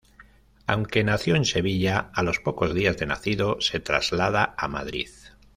Aunque nació en Sevilla a los pocos días de nacido se traslada a Madrid.